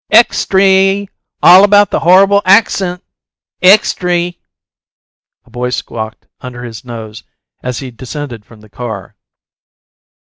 "Extry! All about the hor'ble AX'nt! Extry!" a boy squawked under his nose, as he descended from the car.